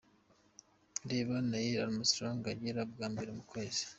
Reba Neil Armostrong agera bwa mbere ku kwezi:.